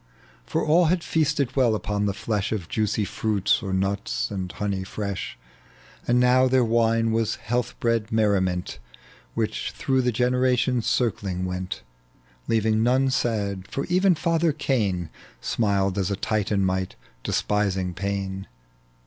For all had feasted well upon the flesh Of juicy fruits, on nuts, and honey fresh, And now their wine was health bred merriment, "Which throi^h the generations eirchng went, Leaving none sad, for even father Cain Smiled as a Titan might, despising pain.